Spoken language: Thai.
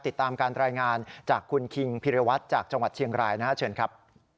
ติดตามการแรงงานจากคุณคิงพีรวัตน์จากจังหวัดเชียงรายนะครับ